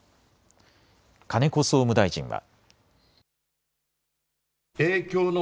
金子総務大臣は。